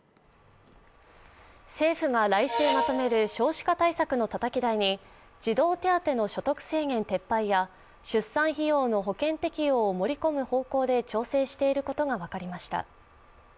政府が来週まとめる少子化対策のたたき台に児童手当の所得制限撤廃や出産費用の保険適用を盛り込む方向で調整していることが分かりました。